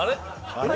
あれ？